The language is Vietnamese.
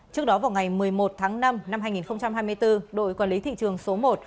trước đó vào ngày một mươi một tháng năm năm hai nghìn hai mươi bốn đội quản lý thị trường số một